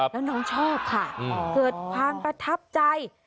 แล้วน้องชอบค่ะเกิดความประทับใจ